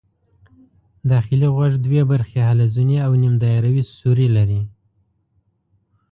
داخلي غوږ دوې برخې حلزوني او نیم دایروي سوري لري.